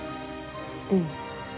うん。